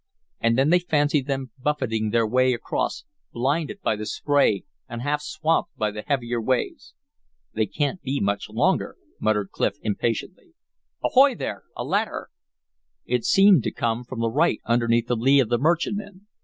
And then they fancied them buffeting their way across, blinded by the spray and half swamped by the heavier waves. "They can't be much longer," muttered Clif, impatiently. "Ahoy there! A ladder!" It seemed to come from right underneath the lee of the merchantman.